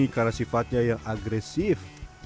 karena sifatnya yang agresif